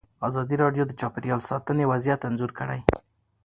ازادي راډیو د چاپیریال ساتنه وضعیت انځور کړی.